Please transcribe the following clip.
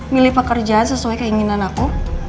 milih pekerjaan sesuai keinginan aku